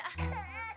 dadah pak biroli